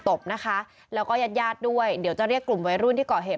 ตบนะคะแล้วก็ญาติญาติด้วยเดี๋ยวจะเรียกกลุ่มวัยรุ่นที่ก่อเหตุ